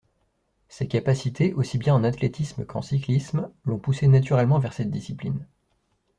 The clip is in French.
Ses capacités aussi bien en athlétisme qu'en cyclisme l'ont poussée naturellement vers cette discipline.